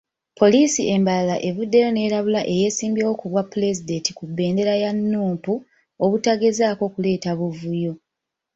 Poliisi e Mbarara evuddeyo n'erabula eyeesimbyewo ku bwapulezidenti ku bbendera ya Nuupu, obutagezaako kuleeta buvuyo.